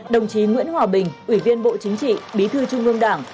đồng chí nguyễn hòa bình ủy viên bộ chính trị bí thư trung ương đảng